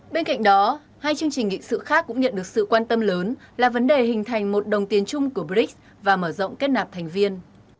bên cạnh đó hai chương trình nghị sự khác cũng nhận được sự quan tâm lớn là vấn đề hình thành một đồng tiền chung của brics và mở rộng kết nạp thành viên